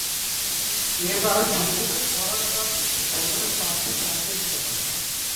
এ বার পরিবেশন করার পাত্রে প্রথমে পাপড়ি সাজিয়ে নিতে হবে।